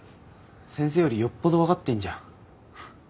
先生よりよっぽど分かってんじゃん。